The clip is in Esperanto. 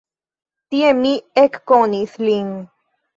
Tie mi ekkonis lin.